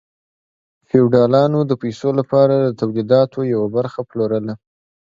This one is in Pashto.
فیوډالانو د پیسو لپاره د تولیداتو یوه برخه پلورله.